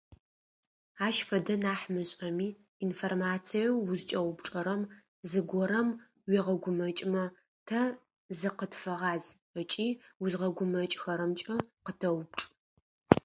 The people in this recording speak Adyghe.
Ащ фэдэ нахь мышӏэми, информациеу узкӏэупчӏэрэм зыгорэм уегъэгумэкӏмэ, тэ зыкъытфэгъаз ыкӏи узгъэгумэкӏхэрэмкӏэ къытэупчӏ.